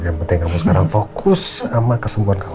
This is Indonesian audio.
yang penting kamu sekarang fokus sama kesembuhan kamu